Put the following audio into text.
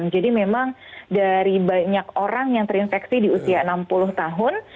jadi memang dari banyak orang yang terinfeksi di usia enam puluh tahun